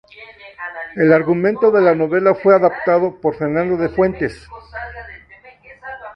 El argumento de la novela fue adaptado por Fernando de Fuentes.